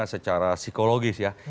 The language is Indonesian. secara psikologis ya